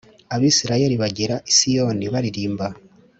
Abisirayeli bagera I Siyoni baririmba.